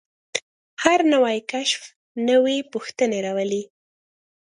هر نوی کشف نوې پوښتنې راولي.